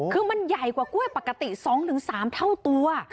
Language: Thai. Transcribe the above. คือมันใหญ่กว่ากล้วยปกติ๒๓เท่าตัว